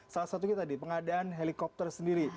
salah satunya tadi pengadaan helikopter sendiri